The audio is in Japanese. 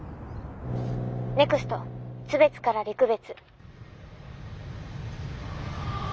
ネクスト津別から陸別。